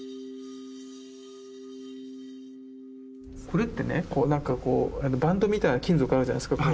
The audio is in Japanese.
これってね何かこうバンドみたいな金属あるじゃないですか。